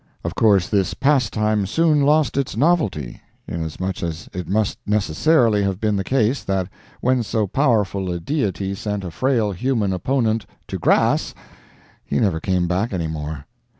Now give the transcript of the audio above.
Of course this pastime soon lost its novelty, inasmuch as it must necessarily have been the case that when so powerful a deity sent a frail human opponent "to grass" he never came back anymore.